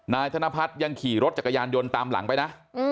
นายธนพัฒน์ยังขี่รถจักรยานยนต์ตามหลังไปนะ